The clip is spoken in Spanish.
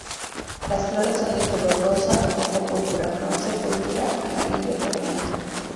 Las flores son de color rosa a rojo púrpura, bronce, púrpura, amarillo o blanco.